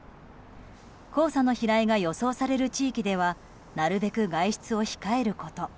黄砂の飛来が予想される地域ではなるべく外出を控えること。